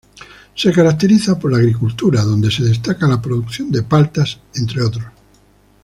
Se caracteriza por la agricultura, donde se destaca la producción de paltas, entre otros.